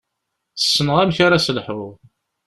Ssneɣ amek ara s-lḥuɣ.